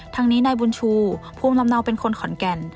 ทั้งนี้นายบุญชูภูมิลำเนาเป็นคนขอนแก่น